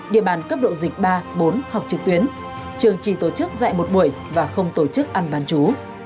địa bàn cấp độ dịch ba bốn học trực tuyến trường chỉ tổ chức dạy một buổi và không tổ chức ăn bán chú